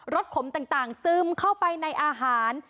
สขมต่างซึมเข้าไปในอาหาร